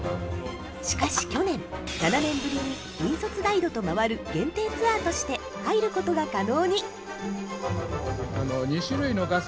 しかし去年、７年ぶりに引率ガイドと回る限定ツアーとして入ることが可能に。